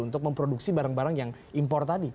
untuk memproduksi barang barang yang impor tadi